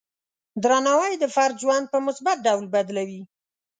درناوی د فرد ژوند په مثبت ډول بدلوي.